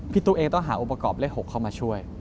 พี่ตุ๊กเองต้องหาอุปกรณ์เลข๖เข้ามาช่วย